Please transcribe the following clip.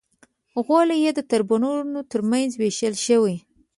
غولی یې د تربرونو تر منځ وېشل شوی.